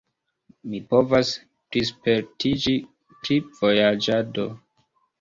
Mi povas plispertiĝi pri vojaĝado.